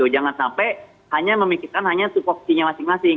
jangan sampai hanya memikirkan hanya suatu opsinya masing masing